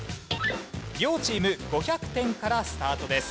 両チーム５００点からスタートです。